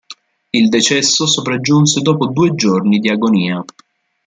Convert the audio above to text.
Il decesso sopraggiunse dopo due giorni di agonia.